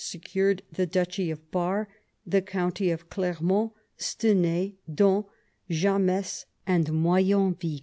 secured the duchy of Bar, the county of Clermont, Stenay, Dun, Jametz, and Moyenvic.